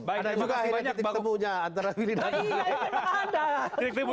ada juga akhirnya titik temunya antara willy dan pak willy